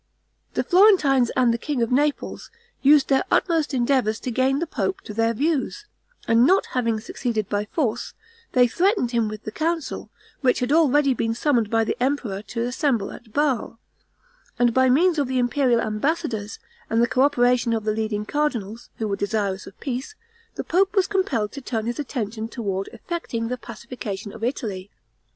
The Florentines and the king of Naples used their utmost endeavors to gain the pope to their views; and not having succeeded by force, they threatened him with the council, which had already been summoned by the emperor to assemble at Basle; and by means of the imperial ambassadors, and the co operation of the leading cardinals, who were desirous of peace, the pope was compelled to turn his attention toward effecting the pacification of Italy.